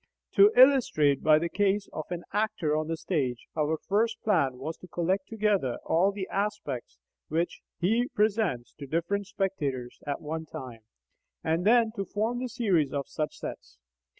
To illustrate by the case of an actor on the stage: our first plan was to collect together all the aspects which he presents to different spectators at one time, and then to form the series of such sets.